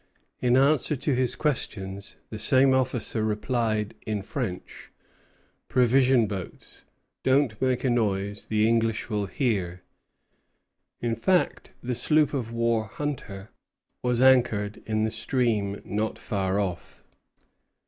In answer to his questions, the same officer replied, in French: "Provision boats. Don't make a noise; the English will hear us." In fact, the sloop of war "Hunter" was anchored in the stream not far off.